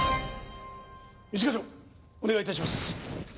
一課長お願い致します。